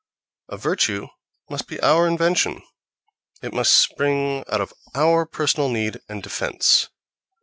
A virtue must be our invention; it must spring out of our personal need and defence.